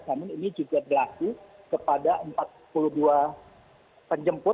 namun ini juga berlaku kepada empat puluh dua penjemput